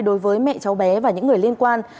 đối với mẹ cháu bé và những người liên quan